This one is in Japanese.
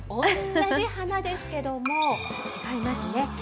同じ花ですけれども、違いますね。